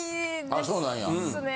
あそうなんや。